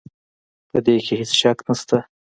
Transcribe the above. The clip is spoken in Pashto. په دې کې هيڅ شک نشته